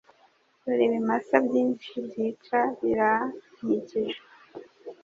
Dore ibimasa byinshi byica birankikije